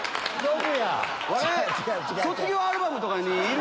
これ卒業アルバムとかにいる。